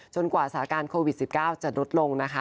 กว่าสถานการณ์โควิด๑๙จะลดลงนะคะ